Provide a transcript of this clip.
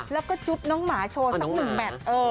แล้วก็จุ๊บน้องหมาโชว์สักหนึ่งแมท